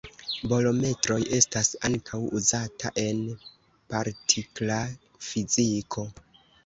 Bolometroj estas ankaŭ uzata en partikla fiziko.